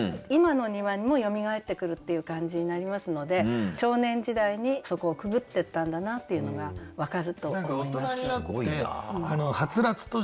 今の庭にもよみがえってくるっていう感じになりますので少年時代にそこをくぐってったんだなっていうのが分かると思います。